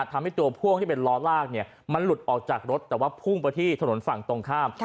ทำให้ตัวพ่วงที่เป็นล้อลากเนี่ยมันหลุดออกจากรถแต่ว่าพุ่งไปที่ถนนฝั่งตรงข้าม